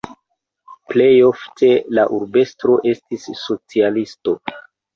Plej ofte la urbestro estis socialisto.